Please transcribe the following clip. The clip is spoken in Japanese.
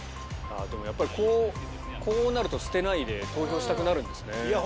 でもやっぱりこうなると捨てないで投票したくなるんですね。